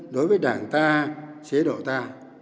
đối với đảng ta chế độ ta